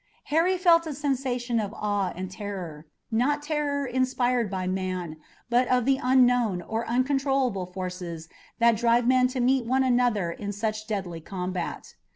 Harry felt a sensation of awe and terror, not terror inspired by man, but of the unknown or uncontrolled forces that drive men to meet one another in such deadly combat.